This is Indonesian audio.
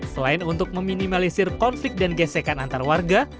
selain untuk meminimalisir konflik dan gesekan antar warga